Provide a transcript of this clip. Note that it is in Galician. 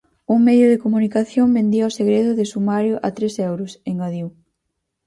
Un medio de comunicación vendía o segredo de sumario a tres euros, engadiu.